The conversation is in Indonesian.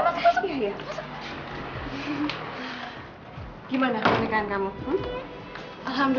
suami kamu sudah berangkat ke tante